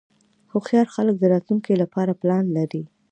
هوښیار خلک د راتلونکې لپاره پلان لري.